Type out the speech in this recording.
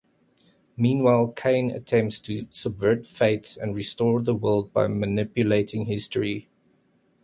Meanwhile, Kain attempts to subvert fate and restore the world by manipulating history.